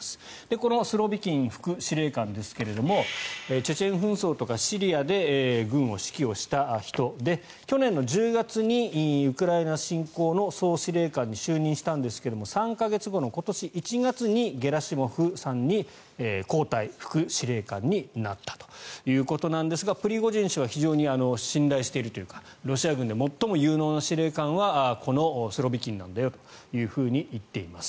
このスロビキン副司令官ですがチェチェン紛争とかシリアで軍を指揮した人で去年１０月にウクライナ侵攻の総司令官に就任したんですが３か月後の今年１月にゲラシモフさんに交代副司令官になったということなんですがプリゴジン氏は非常に信頼しているというかロシア軍で最も有能な司令官はこのスロビキンなんだよと言っています。